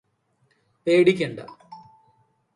പേടിക്കേണ്ട